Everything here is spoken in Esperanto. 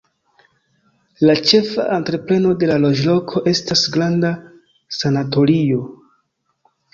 La ĉefa entrepreno de la loĝloko estas granda sanatorio.